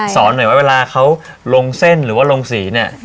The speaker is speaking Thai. หน่อยว่าเวลาเขาลงเส้นหรือว่าลงสีเนี่ย